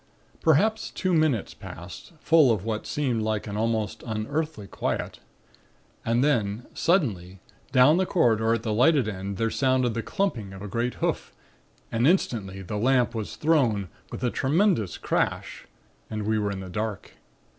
"Perhaps two minutes passed, full of what seemed like an almost unearthly quiet. And then, suddenly, down the corridor at the lighted end there sounded the clumping of a great hoof and instantly the lamp was thrown with a tremendous crash and we were in the dark.